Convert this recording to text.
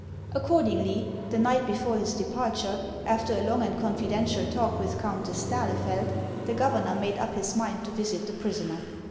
Accordingly, the night before his departure, after a long and confidential talk with Countess d'Ahlefeld, the governor made up his mind to visit the prisoner.